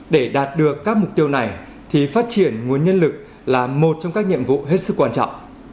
để đạt được các mục tiêu này thì phát triển nguồn nhân lực là một trong các nhiệm vụ hết sức quan trọng